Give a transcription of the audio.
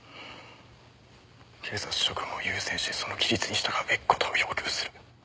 警察職務に優先してその規律に従うべきことを要求する。